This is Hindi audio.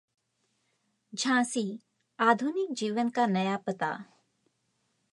झांसी: आधुनिक जीवन का नया पता